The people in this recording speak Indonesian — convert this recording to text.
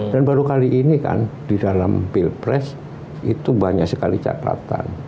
dan baru kali ini kan di dalam pilpres itu banyak sekali catatan